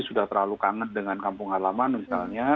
sudah terlalu kangen dengan kampung halaman misalnya